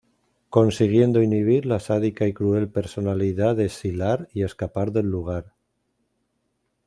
Consiguiendo inhibir la sádica y cruel personalidad de Sylar y escapar del lugar.